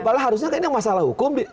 karena harusnya ini masalah hukum